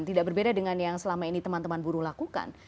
tidak berbeda dengan yang selama ini teman teman buruh lakukan